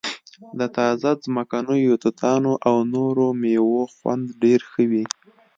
د تازه ځمکنیو توتانو او نورو میوو خوند ډیر ښه وي